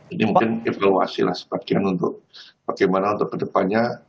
ini mungkin evaluasi lah sebagian untuk bagaimana untuk kedepannya